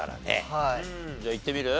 じゃあいってみる？